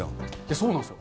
そうなんですよ。